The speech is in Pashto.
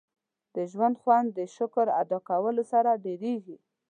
• د ژوند خوند د شکر ادا کولو سره ډېرېږي.